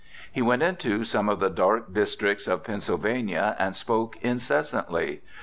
He went into some of the dark districts of Pennsylvania and spoke incessantly.